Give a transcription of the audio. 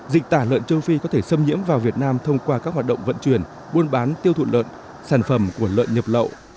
dịch tả lợn châu phi có thể xâm nhiễm vào việt nam thông qua các hoạt động vận chuyển buôn bán tiêu thụ lợn sản phẩm của lợn nhập lậu